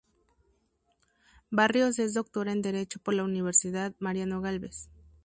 Barrios es Doctora en Derecho por la Universidad Mariano Gálvez.